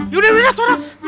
yaudah yaudah yaudah